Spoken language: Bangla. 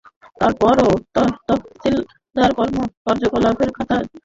তারপরও তহশিলদার কার্যালয়ের খাতাপত্রে অনেক ভূসম্পত্তি অর্পিত হিসেবে চিহ্নিত করে রাখা হয়েছে।